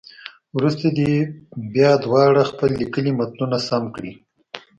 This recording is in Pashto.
وروسته دې بیا دواړه خپل لیکلي متنونه سم کړي.